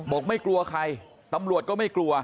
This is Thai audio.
ไม่กลัวใครตำรวจก็ไม่กลัว